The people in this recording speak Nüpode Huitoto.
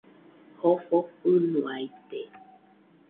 Jofo fɨnoaite